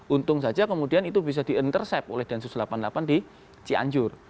untung saja kemudian itu bisa di intercept oleh densus delapan puluh delapan di cianjur